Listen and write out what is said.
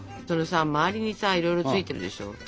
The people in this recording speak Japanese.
それさ周りにさいろいろついてるでしょ？